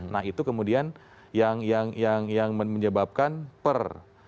nah itu kemudian yang menyebabkan per